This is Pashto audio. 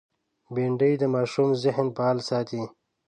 بېنډۍ د ماشوم ذهن فعال ساتي